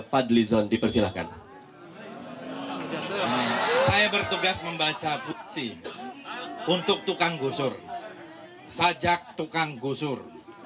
fadlizon dipersilahkan saya bertugas membaca buksi untuk tukang gusur sajak tukang gusur